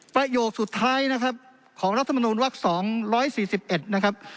ประโยคสุดท้ายนะครับของรัฐมนุนวัก๒๔๑นะครับ